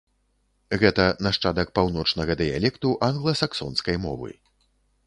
Гэта нашчадак паўночнага дыялекту англа-саксонскай мовы.